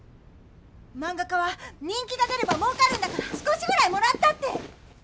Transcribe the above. マンガ家は人気が出ればもうかるんだから少しぐらいもらったって。